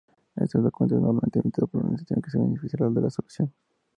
Este documento es normalmente emitido por la organización que se beneficiaría de la solución.